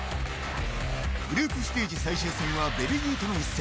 グループステージ最終戦はベルギーとの一戦。